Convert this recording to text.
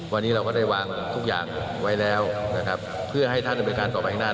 วันนี้เราก็ได้วางทุกอย่างไว้แล้วนะครับเพื่อให้ท่านดำเนินการต่อไปข้างหน้า